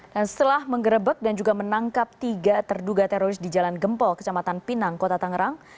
dan setelah menggerebek dan juga menangkap tiga terduga teroris di jalan gempol kecamatan pinang kota tangerang